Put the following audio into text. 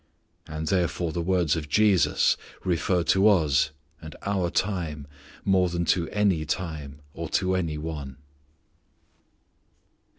And therefore the words of Jesus refer to us and our time more than to any time or to any one.